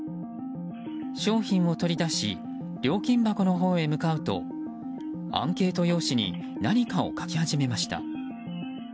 商品を取り出し料金箱のほうへ向かうとアンケート用紙に何かを書き始めました。